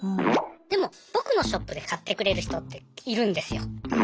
でも僕のショップで買ってくれる人っているんですよ。